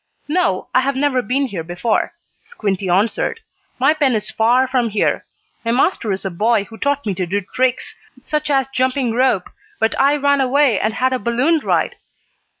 "No, I have never been here before," Squinty answered. "My pen is far from here. My master is a boy who taught me to do tricks, such as jumping rope, but I ran away and had a balloon ride."